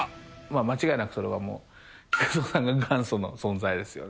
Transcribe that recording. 間違いなくそれは、木久扇さんが元祖の存在ですよね。